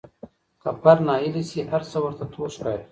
که فرد ناهيلي سي هر څه ورته تور ښکاري.